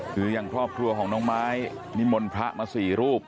คืออย่างครอบครัวของน้องไม้นิมนต์พระมา๔รูป